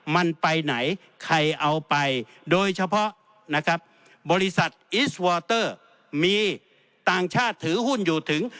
มันไปไหนใครเอาไปโดยเฉพาะนะครับบริษัทอิสวอเตอร์มีต่างชาติถือหุ้นอยู่ถึง